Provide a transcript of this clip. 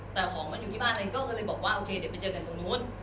แต่ของมันอยู่ที่บ้านเองก็เลยบอกว่าโอเคเดี๋ยวไปเจอกันตรงนู้น